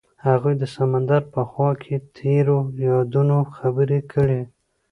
هغوی د سمندر په خوا کې تیرو یادونو خبرې کړې.